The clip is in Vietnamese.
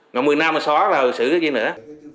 nó một mươi năm mà xóa là xử cái gì nữa